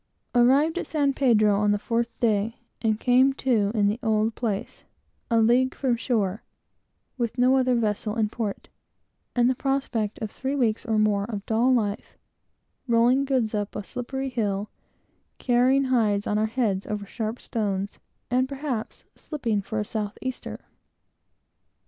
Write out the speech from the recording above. Arrived at San Pedro on the fourth day, and came to in the old place, a league from shore, with no other vessel in port, and the prospect of three weeks, or more, of dull life, rolling goods up a slippery hill, carrying hides on our heads over sharp stones, and, perhaps, slipping for a south easter.